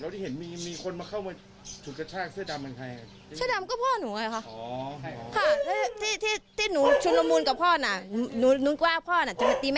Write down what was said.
ตอนนี้เห็นมีคนมาถูกกระชั่งเสื้อดำเป็นใคร